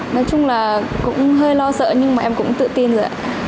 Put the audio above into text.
nói chung là cũng hơi lo sợ nhưng mà em cũng tự tin rồi ạ